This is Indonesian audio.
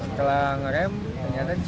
setelah nge rem saya nge rem